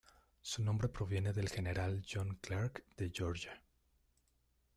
Su nombre proviene del General John Clarke, de Georgia.